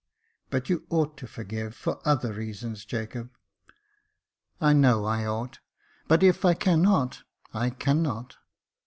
" But you ought to forgive, for other reasons, Jacob." " I know I ought — but if I cannot, I cannot."